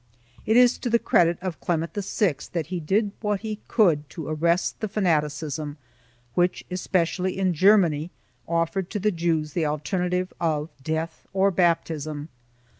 2 It is to the credit of Clement VI that he did what he could to arrest the fanaticism which, especially in Germany, offered to the Jews the alternative of death or baptism.